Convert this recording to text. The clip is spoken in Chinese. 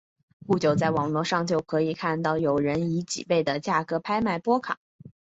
不久在网络上就可以看到有人以几倍的价格拍卖波卡。